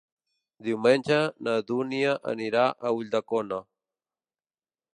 Diumenge na Dúnia anirà a Ulldecona.